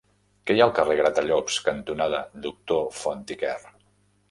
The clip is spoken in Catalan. Què hi ha al carrer Gratallops cantonada Doctor Font i Quer?